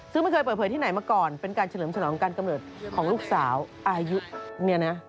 ซึ่งไม่เคยเปิดเผยที่ไหนมาก่อนเป็นการเฉลิมฉลองการกำเนิดของลูกสาวอายุเนี่ยนะ